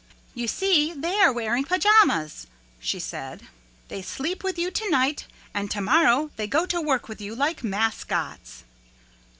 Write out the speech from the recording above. "You see they are wearing pajamas," she said. "They sleep with you to night and to morrow they go to work with you like mascots."